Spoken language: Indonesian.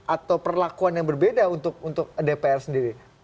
atau perlakuan yang berbeda untuk dpr sendiri